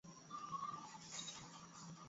iko inakuja iko inahesimishwa kidogo kidogo sio yote